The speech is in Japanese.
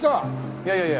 いやいやいや。